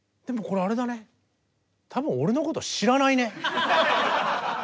でもこれあれだね多分俺のこと知らないね。